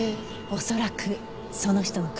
恐らくその人の感情。